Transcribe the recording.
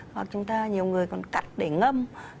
hoặc chúng ta nhiều người còn cắt để ngâm